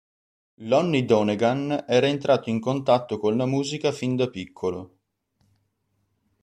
Lonnie Donegan era entrato in contatto con la musica fin da piccolo.